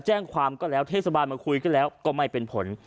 แจ้งความก็แล้วเทศบาลมาคุยก็แล้วก็ไม่เป็นผล